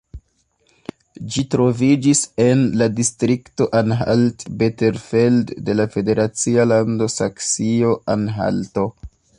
Ĝi troviĝis en la distrikto Anhalt-Bitterfeld de la federacia lando Saksio-Anhalto.